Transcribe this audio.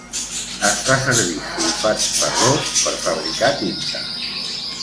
Es fa servir sulfat ferrós per fabricar tinta.